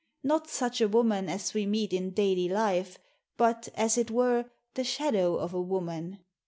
Not such a woman as we meet in daily life, but, as it were, the shadow of a woman.